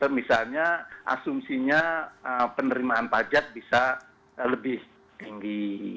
misalnya asumsinya penerimaan pajak bisa lebih tinggi